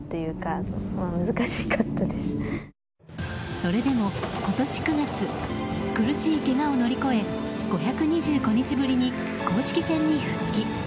それでも今年９月苦しいけがを乗り越え５２５日ぶりに公式戦に復帰。